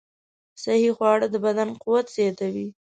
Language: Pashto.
صحي خواړه د بدن قوت زیاتوي.